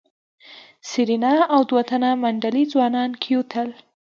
سېرېنا او دوه تنه منډلي ځوانان کېوتل.